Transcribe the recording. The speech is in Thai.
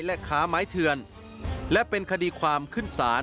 และค้าไม้เถื่อนและเป็นคดีความขึ้นศาล